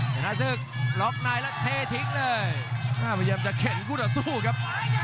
ชนะศึกล็อกนายแล้วเททิ้งเลยอ้าพยายามจะเข็นกุฏสู้ครับ